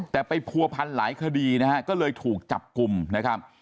แต่ไปผัวพันหลายคดีนะฮะก็เลยถูกจับกลุ่มนะครับ